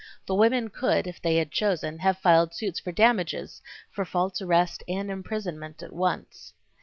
The women could, if they had chosen, have filed suits for damages for false arrest and imprisonment at once.